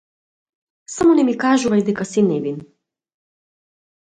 Само не ми кажувај дека си невин.